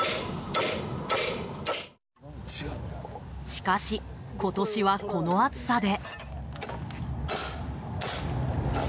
しかし今年は、この暑さで。